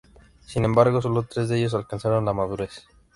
Sin embargo sólo tres de ellos alcanzaron la madurez.